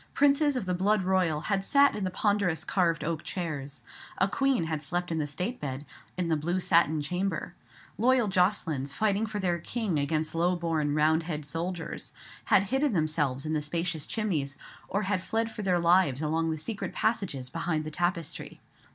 Princes of the blood royal had sat in the ponderous carved oak chairs. A queen had slept in the state bed, in the blue satin chamber. Loyal Jocelyns, fighting for their king against low born Roundhead soldiers, had hidden themselves in the spacious chimneys, or had fled for their lives along the secret passages behind the tapestry.